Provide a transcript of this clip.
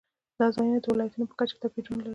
دا ځایونه د ولایاتو په کچه توپیرونه لري.